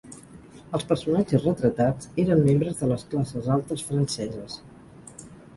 Els personatges retratats eren membres de les classes altes franceses.